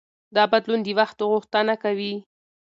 دا بدلون د وخت غوښتنه وه.